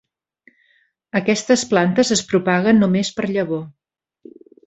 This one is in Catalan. Aquestes plantes es propaguen només per llavor.